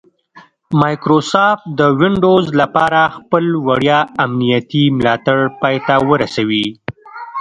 مایکروسافټ د ونډوز لپاره خپل وړیا امنیتي ملاتړ پای ته ورسوي